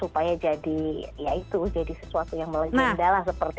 supaya jadi ya itu jadi sesuatu yang melegenda lah seperti itu